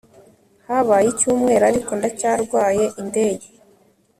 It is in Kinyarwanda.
Habaye icyumweru ariko ndacyarwaye indege